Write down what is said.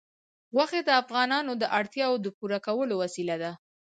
غوښې د افغانانو د اړتیاوو د پوره کولو وسیله ده.